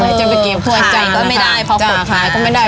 ไหนจะไปเก็บขายก็ไม่ได้เพราะถูกขายก็ไม่ได้